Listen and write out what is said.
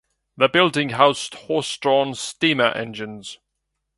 The building housed horse drawn steamer engines.